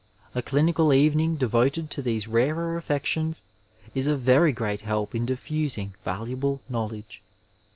A clinical evening devoted to these rarer affections is of very great help in diffusing valuable knowledge.